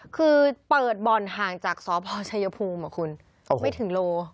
คือเปิดบ่อนห่างจากสพชัยภูมิคุณไม่ถึงโล